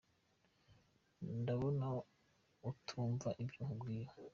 Ndabona utumva ibyo nkubwira.